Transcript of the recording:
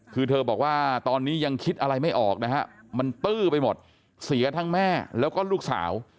คือเธอบอกว่าตอนนี้ยังคิดอะไรไม่ออกนะฮะมันตื้อไปหมดเสียทั้งแม่แล้วก็ลูกสาว